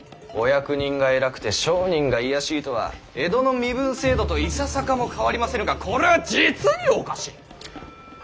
お役人が偉くて商人が卑しいとは江戸の身分制度といささかも変わりませぬがこれは実におかしい。